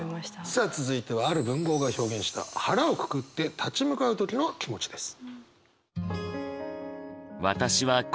さあ続いてはある文豪が表現した腹をくくって立ち向かう時の気持ちです。